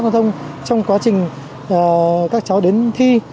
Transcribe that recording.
trong quá trình các cháu đến thi